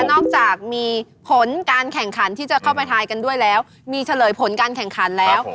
นอกจากมีผลการแข่งขันที่จะเข้าไปทายกันด้วยแล้วมีเฉลยผลการแข่งขันแล้ว